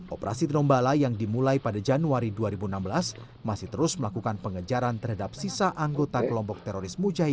operasi tinombala yang dimulai pada januari dua ribu enam belas masih terus melakukan pengejaran terhadap sisa anggota kelompok teroris mujahidi